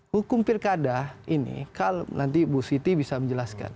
hukum pilkada ini kalau nanti bu siti bisa menjelaskan